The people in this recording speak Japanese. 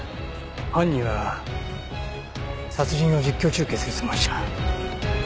犯人は殺人を実況中継するつもりじゃ。